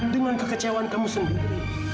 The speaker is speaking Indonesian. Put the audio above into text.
dengan kekecewaan kamu sendiri